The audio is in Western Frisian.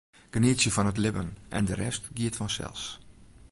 Genietsje fan it libben en de rest giet fansels.